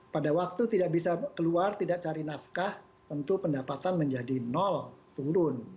pada waktu tidak bisa keluar tidak cari nafkah tentu pendapatan menjadi nol turun